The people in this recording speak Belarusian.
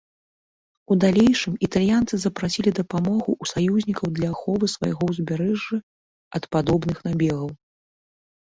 У далейшым італьянцы запрасілі дапамогу ў саюзнікаў для аховы свайго ўзбярэжжа ад падобных набегаў.